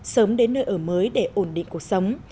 sớm đến nơi ở mới để ổn định cuộc sống